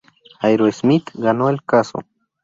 Aerosmith ganó el caso.